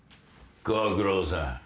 ご苦労さん。